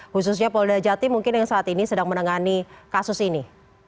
khususnya polda jati mungkin yang saat ini sedang menangani kasus ini